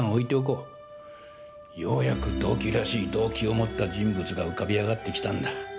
ようやく動機らしい動機を持った人物が浮かび上がってきたんだ。